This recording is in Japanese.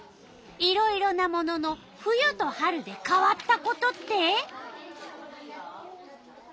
いろいろなものの冬と春で変わったことって？